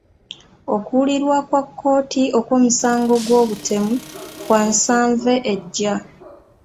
Okuwulirwa kwa kkooti okw'omusago gw'obutemu kwa nsanve ejja.